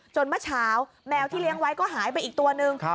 เมื่อเช้าแมวที่เลี้ยงไว้ก็หายไปอีกตัวนึง